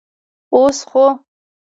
اوس خو.